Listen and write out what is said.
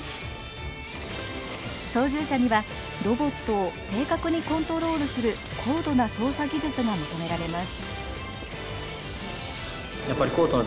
操縦者にはロボットを正確にコントロールする高度な操作技術が求められます。